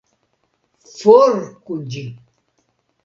For kun ĝi!